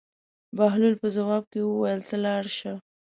بهلول په ځواب کې وویل: ته لاړ شه.